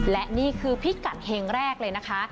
และนี่คือพิกัดเฮงแรกเลยนะคะ